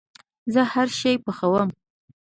زه هرشی پخوم